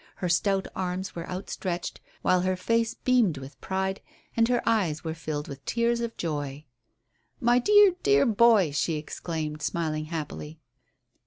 Her stout arms were outstretched, while her face beamed with pride, and her eyes were filled with tears of joy. "My dear, dear boy," she exclaimed, smiling happily.